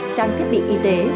trang thiết bị y tế